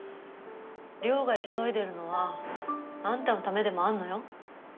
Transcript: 稜が急いでるのはあんたのためでもあるのよ。